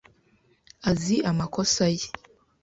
azi amakosa ye.